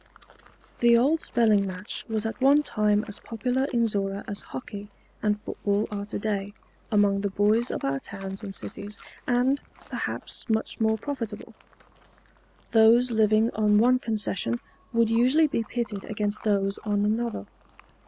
The old spelling match was at one time as popular in Zorra as hockey and football are today among the boys of our towns and cities, and perhaps much more profitable. Those living on one concession would usually be pitted against those on another.